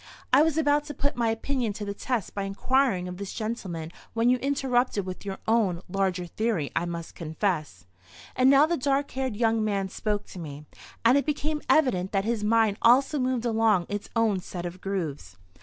I was about to put my opinion to the test by inquiring of this gentleman when you interrupted with your own—larger theory, I must confess." And now the dark haired young man spoke to me, and it became evident that his mind also moved along its own set of grooves.